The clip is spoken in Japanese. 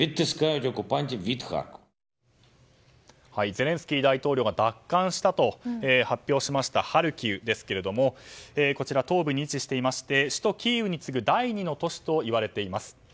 ゼレンスキー大統領が奪還したと発表しましたハルキウですがこちら東部に位置していまして首都キーウに次ぐ第２の都市といわれています。